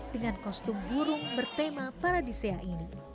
dengan kostum burung bertema paradisea ini